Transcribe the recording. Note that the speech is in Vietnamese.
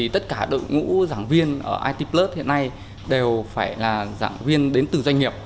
tất cả đội ngũ giảng viên ở itiplus hiện nay đều phải là giảng viên đến từ doanh nghiệp